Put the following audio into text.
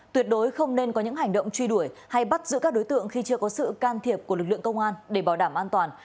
tuyệt đối không nên có những hành động truy đuổi hay bắt giữ các đối tượng khi chưa có sự can thiệp của lực lượng công an để bảo đảm an toàn